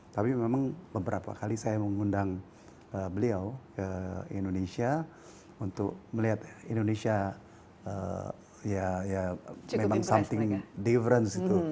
tapi memang beberapa kali saya mengundang beliau ke indonesia untuk melihat indonesia ya memang something difference gitu